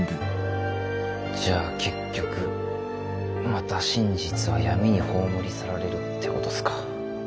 じゃあ結局また真実は闇に葬り去られるってことすか？